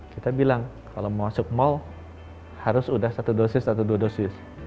kita bilang kalau mau masuk mal harus sudah satu dosis atau dua dosis